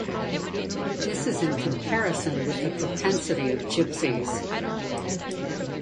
This is in comparison with the propensity of the gypsies.